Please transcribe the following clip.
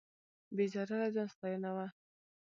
بې ضرره ځان ستاینه وه.